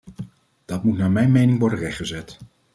Dat moet naar mijn mening worden rechtgezet.